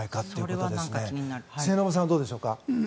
末延さん、どうでしょうか。